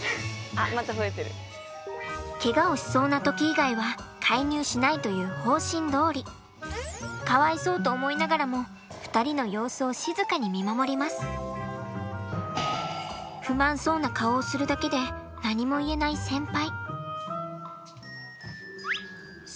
ケガをしそうな時以外は介入しないという方針どおりかわいそうと思いながらも不満そうな顔をするだけで何も言えない先輩。